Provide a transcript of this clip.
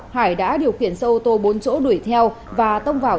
hải đã điều khiển xe ô tô bốn chỗ đuổi theo và tông vào